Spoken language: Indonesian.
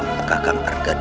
dan mencari keadaan yang baik